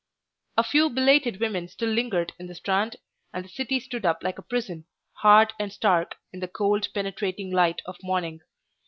A few belated women still lingered in the Strand, and the city stood up like a prison, hard and stark in the cold, penetrating light of morning.